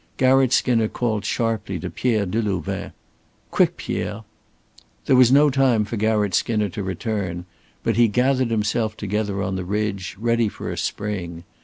Garratt Skinner called sharply to Pierre Delouvain. "Quick, Pierre." There was no time for Garratt Skinner to return; but he gathered himself together on the ridge, ready for a spring.